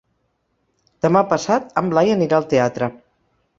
Demà passat en Blai anirà al teatre.